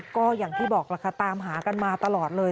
ก็อย่างที่บอกล่ะค่ะตามหากันมาตลอดเลย